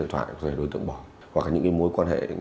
hoặc là những mối quan hệ